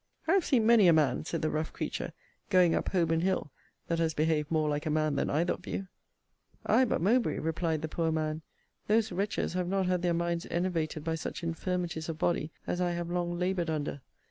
I have seen many a man, said the rough creature, going up Holborn hill, that has behaved more like a man than either of you. Ay, but, Mowbray, replied the poor man, those wretches have not had their minds enervated by such infirmities of body as I have long laboured under.